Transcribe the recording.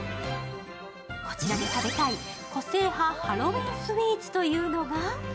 こちらで食べたい個性派ハロウィーンスイーツというのが？